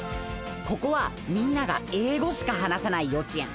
ここはみんながえいごしかはなさないようちえん。